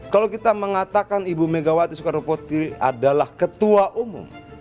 kalau kita mengatakan ibu megawati soekarno putri adalah ketua umum